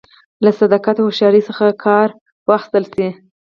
له صداقت او هوښیارۍ څخه کار واخیستل شي